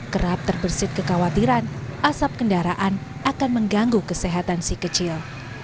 kerap terbersih kekhawatiran asap kendaraan akan mengganggu kesehatan si kecil